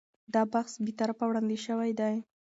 دا بحث بې طرفه وړاندې شوی دی.